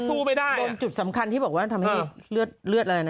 ต้องโดนจุดสำคัญที่บอกว่าทำให้เลือดอะไรน่ะ